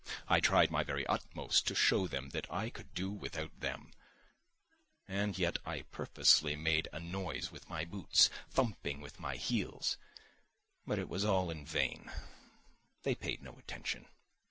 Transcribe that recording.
I tried my very utmost to show them that I could do without them, and yet I purposely made a noise with my boots, thumping with my heels. But it was all in vain. They paid no attention.